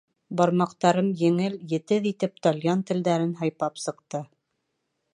Бармаҡтарым еңел, етеҙ итеп тальян телдәрен һыйпап сыҡты.